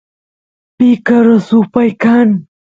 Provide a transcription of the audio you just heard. picaru supay kan